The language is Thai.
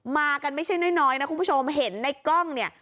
มากันไม่ใช่น้อยนะคุณผู้ชมเห็นในกล้องเนี่ย